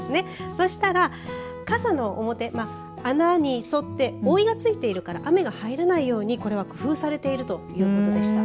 そしたら、傘の表穴にそって、覆いがついているから雨が入らないようにこれは工夫されているということでした。